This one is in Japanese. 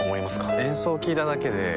演奏を聴いただけであ